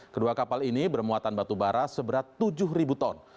kedua kapal ini bermuatan batu bara seberat tujuh ribu ton